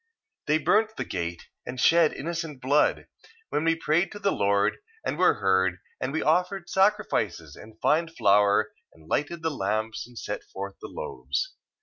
1:8. They burnt the gate, and shed innocent blood: then we prayed to the Lord, and were heard, and we offered sacrifices, and fine flour, and lighted the lamps, and set forth the loaves.